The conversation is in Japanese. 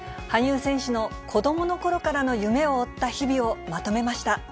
羽生選手の子どものころからの夢を追った日々をまとめました。